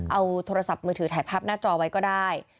เอาโทรศัพท์มือถือถ่ายภาพหน้าจอไว้ก็ได้